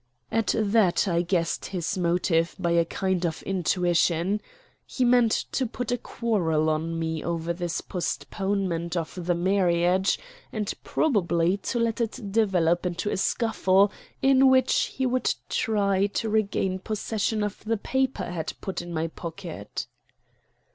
At that I guessed his motive by a kind of intuition. He meant to put a quarrel on me over this postponement of the marriage; and probably to let it develop into a scuffle, in which he would try to regain possession of the paper I had put in my pocket.